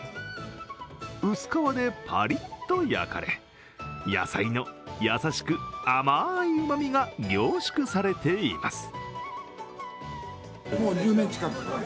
薄皮でパリッと焼かれ、野菜の優しく甘いうまみが凝縮されています。